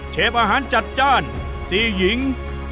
เชฟอาหารจัดจ้าน๔หญิง